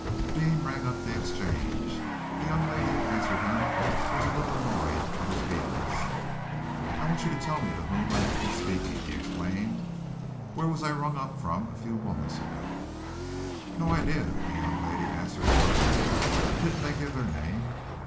Deane rang up the Exchange. The young lady who answered him was a little annoyed at his vehemence. "I want you to tell me to whom I have been speaking!" he exclaimed. "Where was I rung up from a few moments ago?" "No idea," the young lady answered tartly. "Didn't they give their name?"